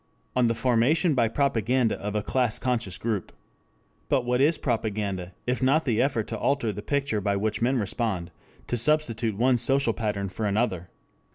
On the formation by propaganda of a class conscious group. But what is propaganda, if not the effort to alter the picture to which men respond, to substitute one social pattern for another?